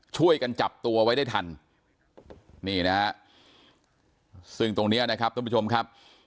ช่วยกันจับตัวไว้ได้ทันนี่นะฮะซึ่งตรงเนี้ยนะครับท่านผู้ชมครับ